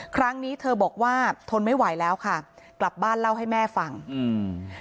ครั้งนี้เธอบอกว่าทนไม่ไหวแล้วค่ะกลับบ้านเล่าให้แม่ฟังอืม